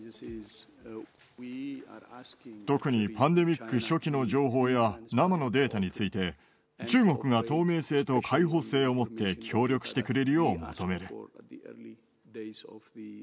特にパンデミック初期の情報や、生のデータについて、中国が透明性と開放性をもって協力してくれるよう求める。